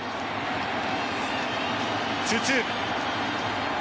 ２−２。